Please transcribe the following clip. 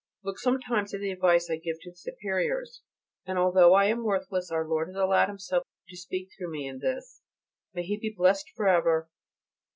Look sometimes at the advice I give to Superiors, and although I am worthless Our Lord has allowed Himself to speak through me in this. May He be blessed for ever!